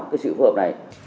cái sự phối hợp này